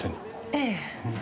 ええ。